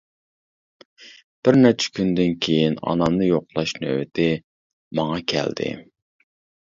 بىرنەچچە كۈندىن كىيىن ئانامنى يوقلاش نۆۋىتى ماڭا كەلدى.